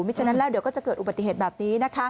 ไม่ใช่ฉะนั้นแล้วเดี๋ยวก็จะเกิดอุบัติเหตุแบบนี้